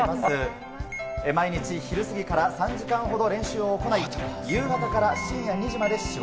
毎日、昼過ぎから３時間ほど練習を行い、夕方から深夜２時まで仕事。